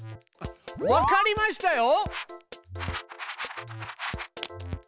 わかりましたよ！